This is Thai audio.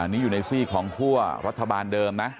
นี่อยู่ในซีกของคั่วรัฐบาลเดิมนะ